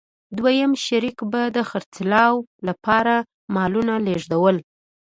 دویم شریک به د خرڅلاو لپاره مالونه لېږدول.